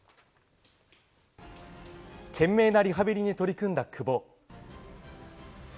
懸命なリハビリに取り組んだ久保。